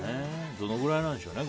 どのぐらいなんでしょうね。